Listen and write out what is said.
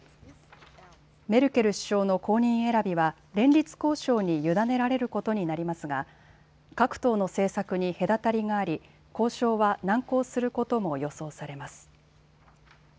メルケル首相の後任選びは連立交渉に委ねられることになりますが各党の政策に隔たりがあり交渉は難航することも予想されます。